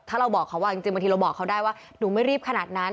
ถ้าเราบอกเขาจริงบางทีเราบอกเขาได้ว่าหนูไม่รีบขนาดนั้น